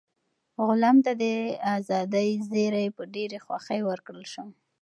غلام ته د ازادۍ زېری په ډېره خوښۍ ورکړل شو.